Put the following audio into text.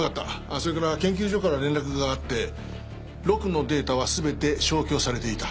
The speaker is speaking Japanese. それから研究所から連絡があってロクのデータはすべて消去されていた。